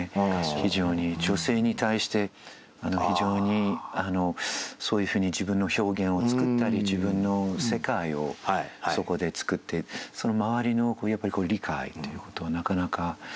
非常に女性に対して非常にそういうふうに自分の表現を作ったり自分の世界をそこで作ってその周りの理解ということをなかなか得られなかった。